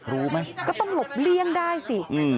รู้ไหมก็ต้องหลบเลี่ยงได้สิ